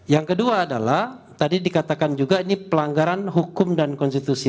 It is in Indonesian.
yang kedua adalah tadi dikatakan juga ini pelanggaran hukum dan konstitusi